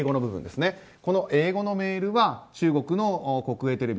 この英語のメールは中国の国営テレビ